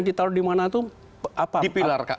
ditaruh dimana itu apa